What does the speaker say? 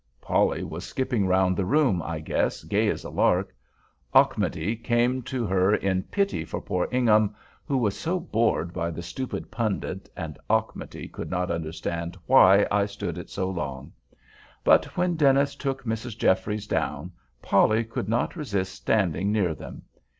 Polly was skipping round the room, I guess, gay as a lark. Auchmuty came to her "in pity for poor Ingham," who was so bored by the stupid pundit—and Auchmuty could not understand why I stood it so long. But when Dennis took Mrs. Jeffries down, Polly could not resist standing near them.